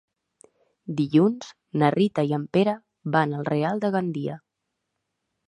Dilluns na Rita i en Pere van al Real de Gandia.